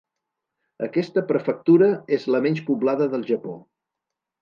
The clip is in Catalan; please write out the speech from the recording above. Aquesta prefectura és la menys poblada del Japó.